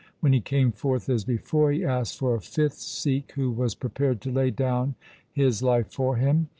When he came forth as before, he asked for a fifth Sikh who was prepared to lay down his life for him.